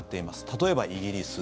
例えば、イギリス。